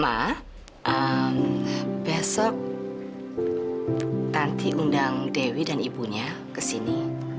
ma besok tanti undang dewi dan ibunya kesini